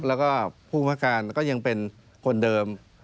แล้วก็ผู้ประการก็ยังเป็นคนเดิม